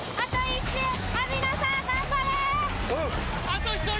あと１人！